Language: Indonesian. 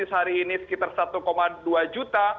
hari ini sekitar satu dua juta